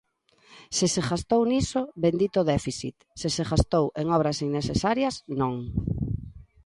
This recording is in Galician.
Se se gastou niso, bendito déficit, se se gastou en obras innecesarias, non.